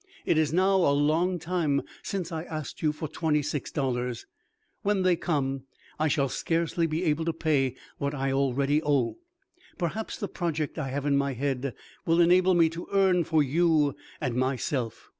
It is now a long time since I asked you for twenty six dollars; when they come, I shall scarcely be able to pay what I already owe. Perhaps the project I have in my head will enable me to earn for you and myself."